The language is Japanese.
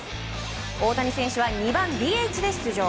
大谷選手は２番ＤＨで出場。